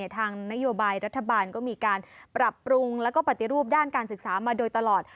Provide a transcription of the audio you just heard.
ทางนโยบายรัฐบาลก็มีการปรับปรุงแล้วก็ปฏิรูปด้านการศึกษามาโดยตลอด